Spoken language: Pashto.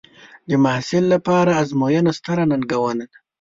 د محصل لپاره ازموینه ستره ننګونه ده.